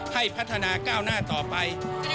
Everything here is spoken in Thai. ให้พัฒนาก้าวหน้าต่อไป